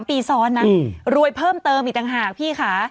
ปีซ้อนนะรวยเพิ่มเติมอีกต่างหากพี่ค่ะ